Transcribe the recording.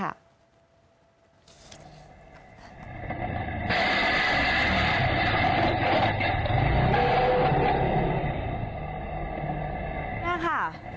แรงค่ะ